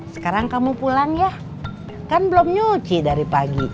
sekarang kamu pulang ya kan belum nyuci dari pagi